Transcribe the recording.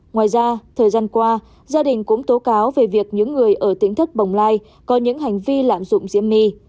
ngoài ra thời gian qua gia đình cũng tố cáo về việc những người ở tỉnh thất bồng lai có những hành vi lạm dụng diễm my